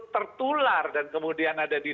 tertular dan kemudian ada di